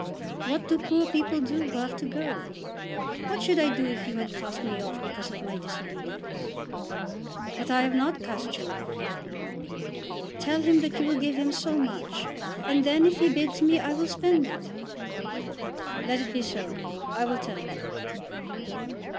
"What do poor people do who have to go? What should I do if you had cast me off because of my disobedience?" "But I have not cast you off." "Tell him that you will give him so much, and then, if he bids me, I will spend it." "Let it be so. I will tell him."